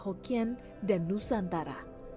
hokkien dan nusantara